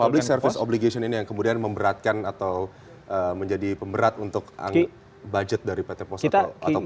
public service obligation ini yang kemudian memberatkan atau menjadi pemberat untuk budget dari pt pos atau profit dari pt pos